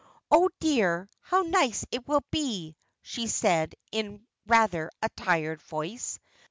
"Oh, dear, how nice it will be!" she said, in rather a tired voice.